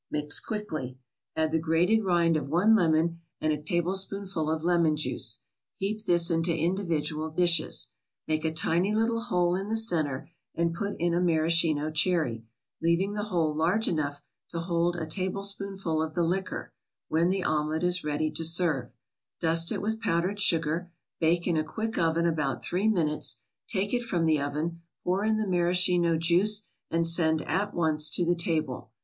Mix quickly. Add the grated rind of one lemon and a tablespoonful of lemon juice. Heap this into individual dishes. Make a tiny little hole in the center and put in a maraschino cherry, leaving the hole large enough to hold a tablespoonful of the liquor when the omelet is ready to serve; dust it with powdered sugar, bake in a quick oven about three minutes, take it from the oven, pour in the maraschino juice and send at once to the table.